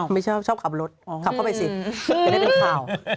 ไม่ชอบชอบขับรถขับเข้าไปสิจะได้เป็นข่าว